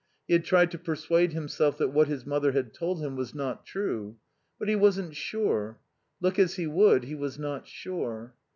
He had tried to persuade himself that what his mother had told him was not true. But he wasn't sure. Look as he would, he was not sure.